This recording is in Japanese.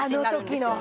あの時の。